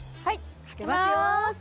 かけますよ。